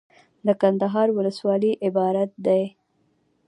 دکندهار ولسوالۍ عبارت دي.